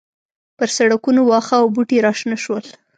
پر سړکونو واښه او بوټي راشنه شول